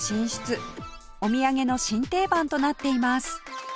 お土産の新定番となっています